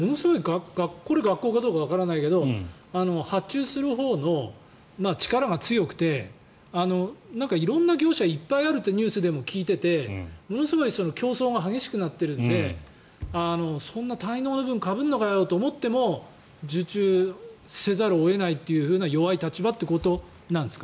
これ、学校かどうかわからないけど発注するほうの力が強くて色んな業者、いっぱいあるってニュースでも聞いててものすごい競争が激しくなっているのでそんな滞納の部分かぶるのかよと思っていても受注せざるを得ないという弱い立場ってことですか。